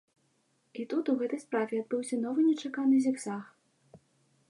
І тут у гэтай справе адбыўся новы нечаканы зігзаг.